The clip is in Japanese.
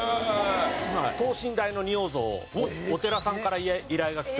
今は等身大の仁王像お寺さんから依頼が来て。